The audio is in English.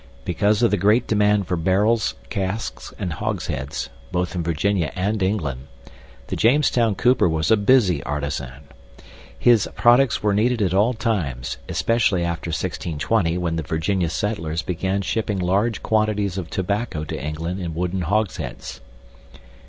Because of the great demand for barrels, casks, and hogsheads (both in Virginia and England) the Jamestown cooper was a busy artisan. His products were needed at all times, especially after 1620 when the Virginia settlers began shipping large quantities of tobacco to England in wooden hogsheads.